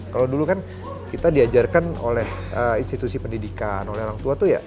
kalau dulu kan kita diajarkan oleh institusi pendidikan oleh orang tua tuh ya